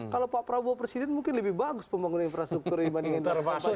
kalau pak prabowo presiden mungkin lebih bagus pembangunan infrastruktur dibandingkan dari pak jokowi